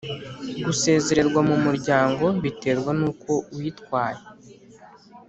Gusezererwa mu muryango biterwa nuko witwaye